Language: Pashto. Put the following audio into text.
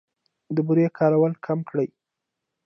د بورې کارول کم کړئ.